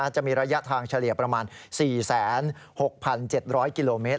จะมีระยะทางเฉลี่ยประมาณ๔๖๗๐๐กิโลเมตร